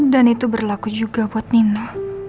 dan itu berlaku juga buat nino